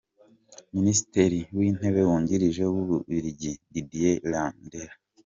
Ministre w’intebe wungirije w’Ububiligi Didier Reynders